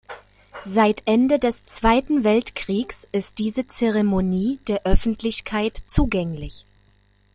Seit Ende des Zweiten Weltkriegs ist diese Zeremonie der Öffentlichkeit zugänglich.